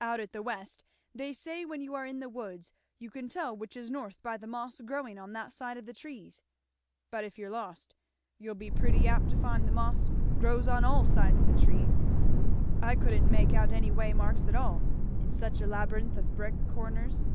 Out at the West they say when you are in the woods you can tell which is north by the moss growing on that side of the trees; but if you're lost you'll be pretty apt to find the moss grows on all sides of the trees. I couldn't make out any waymarks at all, in such a labyrinth of brick corners.